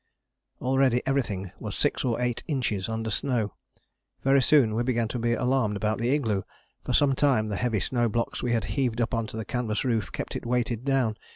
Already everything was six or eight inches under snow. Very soon we began to be alarmed about the igloo. For some time the heavy snow blocks we had heaved up on to the canvas roof kept it weighted down.